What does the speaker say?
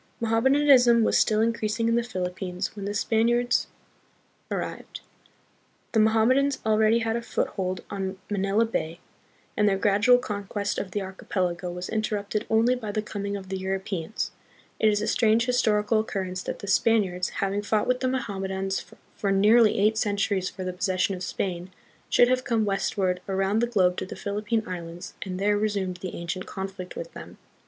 Mohammedanism was still increasing in the Philippines when the Spaniards ar THE PEOPLES OF THE PHILIPPINES. 41 rived. The Mohammedans already had a foothold on Manila Bay, and their gradual conquest of the archipelago was interrupted only by the coming of the Europeans. It is a strange historical occurrence that the Spaniards, having fought with the Mohammedans for nearly eight centuries for the possession of Spain, should have come westward around the globe to the Philippine Islands and there resumed the ancient conflict with them.